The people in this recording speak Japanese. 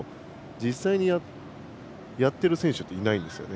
実際にやっている選手はいないんですよね。